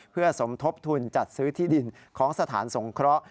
เพื่อสมทบทุนจัดซื้อที่ดินของสถานสงเคราะห์